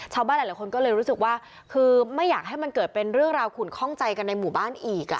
ชาวบ้านหลายคนก็เลยรู้สึกว่าคือไม่อยากให้มันเกิดเป็นเรื่องราวขุนคล่องใจกันในหมู่บ้านอีก